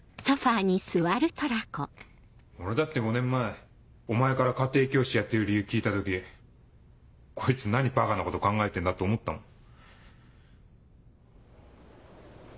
俺だって５年前お前から家庭教師やってる理由聞いた時こいつ何ばかなこと考えてんだって思ったもん。